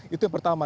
itu yang pertama